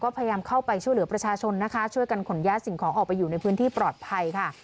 พยายามเข้าไปช่วยเหลือประชาชนนะคะช่วยกันขนย้ายสิ่งของออกไปอยู่ในพื้นที่ปลอดภัยค่ะ